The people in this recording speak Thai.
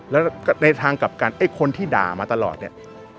แล้วในทางกลับกันไอ้คนที่ด่ามาตลอดเนี่ย